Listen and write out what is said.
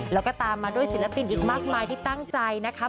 แล้วก็ตามมาด้วยศิลปินอีกมากมายที่ตั้งใจนะคะ